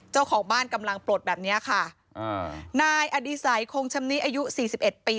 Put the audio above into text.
เจ้าของบ้านกำลังปลดแบบเนี้ยค่ะอ่านายอดิสัยคงชำนี้อายุสี่สิบเอ็ดปี